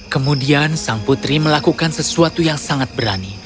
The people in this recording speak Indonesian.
kemudian sang putri melakukan sesuatu yang sangat berani